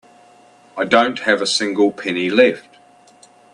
I don't have a single penny left.